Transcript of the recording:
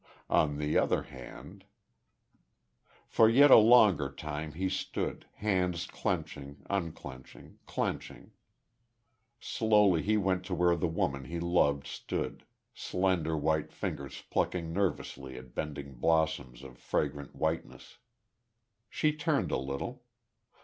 On the other hand For yet a longer time, he stood, hands clenching, unclenching, clenching.... Slowly he went to where the woman he loved stood, slender white fingers plucking nervously at bending blossoms of fragrant whiteness. She turned, a little.